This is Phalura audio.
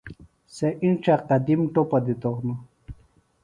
سےۡ اِنڇہ قدِم ٹوپہ دِتوۡ ہِنوۡ